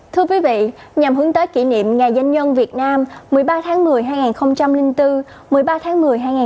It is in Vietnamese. thưa quý vị nhằm hướng tới kỷ niệm ngày danh nhân việt nam một mươi ba tháng một mươi hai nghìn bốn một mươi ba tháng một mươi hai nghìn một mươi tám